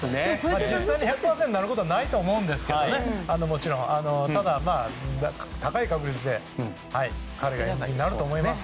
実際に１００％になることないと思うんですがただ、高い確率で彼がＭＶＰになると思います。